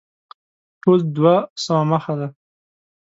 ټول دوه سوه مخه دی.